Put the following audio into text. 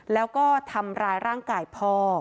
แล้วก็ทำร้ายร่างกายพ่อ